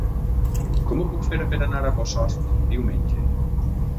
Com ho puc fer per anar a Bossòst diumenge?